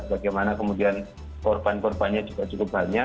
bagaimana kemudian korban korbannya juga cukup banyak